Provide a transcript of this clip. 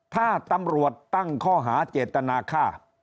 ถ้าตำรวจตั้งข้อหาเจตนาฆ่า